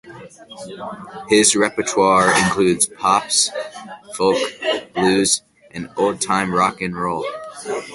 His repertoire includes pop, folk, blues, and old-time rock 'n' roll.